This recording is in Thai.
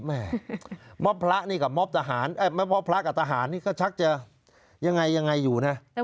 บ้านพระนี่กับมอบพระนี่ก็ชักจะอยู่อย่างไร